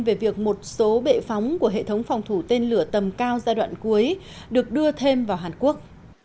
về việc một số bệ phóng của hệ thống phòng thủ tên lửa tầm cao giai đoạn cuối được đưa thêm vào hàn quốc